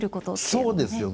そうですよ！